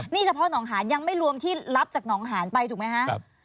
นี่เฉพาะหนองหานยังไม่รวมที่รับจากหนองหานไปถูกไหมคะ